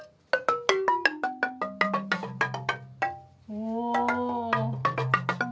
お。